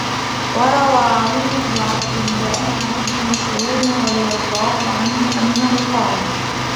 وَرَوَى عَوْنُ بْنُ عَبْدِ اللَّهِ عَنْ ابْنِ مَسْعُودٍ رَضِيَ اللَّهُ عَنْهُ أَنَّهُ قَالَ